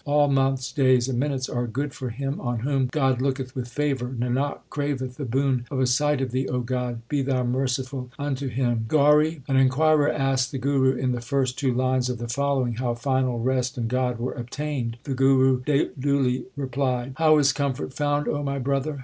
All months, days, and minutes are good for him on whom God looketh with favour. Nanak craveth the boon of a sight of Thee, O God ; be Thou merciful unto him. GAURI An inquirer asked the Guru in the first two lines of the following how final rest and God were obtained. The Guru duly replied : How is comfort found, O my brother